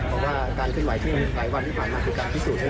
เพราะว่าการเคลื่อนไหวช่วงหลายวันที่ผ่านมาคือการพิสูจน